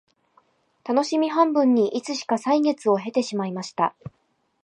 たのしみ半分にいつしか歳月を経てしまいました